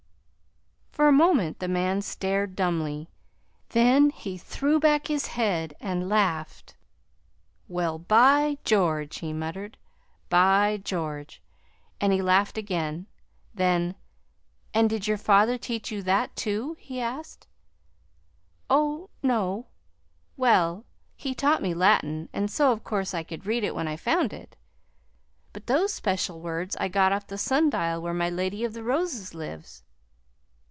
For a moment the man stared dumbly. Then he threw back his head and laughed. "Well, by George!" he muttered. "By George!" And he laughed again. Then: "And did your father teach you that, too?" he asked. "Oh, no, well, he taught me Latin, and so of course I could read it when I found it. But those 'special words I got off the sundial where my Lady of the Roses lives."